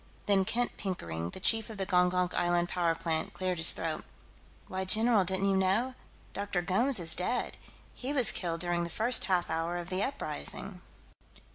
Then Kent Pickering, the chief of the Gongonk Island power plant, cleared his throat. "Why, general, didn't you know? Dr. Gomes is dead. He was killed during the first half hour of the uprising."